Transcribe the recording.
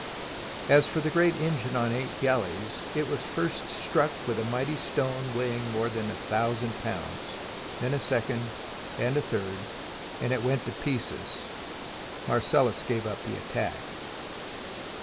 As for the great engine on eight galleys, it was THE BOOK OF FAMOUS SIEGES first struck with a mighty stone weighing more than a thousand pounds ; then a second, and a third — and it went to pieces. Marcellus gave up the attack.